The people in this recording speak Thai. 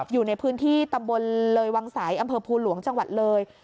อยู่ในพื้นที่ตำบลเลยวังสายอำเภอภูหลวงจังหวัดเลย